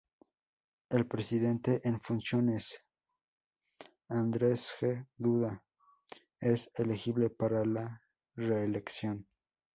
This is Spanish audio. El presidente en funciones, Andrzej Duda, es elegible para la reelección.